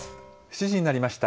７時になりました。